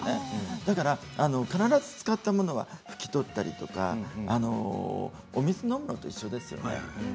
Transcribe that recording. だから、必ず使ったものは拭き取ったりとかお水飲むのと一緒ですよね。